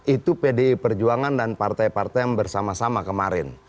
itu pdi perjuangan dan partai partai yang bersama sama kemarin